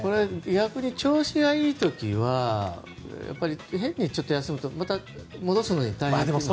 逆に調子がいい時は変に休むと戻すのに大変なんですか。